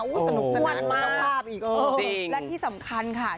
สนุกและที่สำคัญต่อข้าม